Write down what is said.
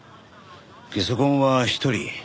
ゲソ痕は１人？